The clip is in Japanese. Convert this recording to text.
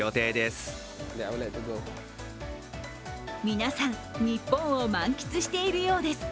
皆さん日本を満喫しているようです。